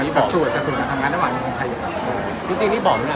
มันสับสนกับสับสูงนะครับงานต่างหวังในกรุงไทยอยู่ตรงนี้